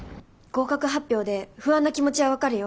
合格発表で不安な気持ちは分かるよ。